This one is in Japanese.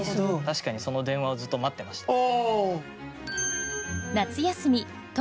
確かにその電話をずっと待ってました。